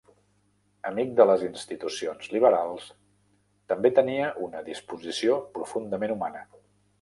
Amic de les institucions liberals, també tenia una disposició profundament humana.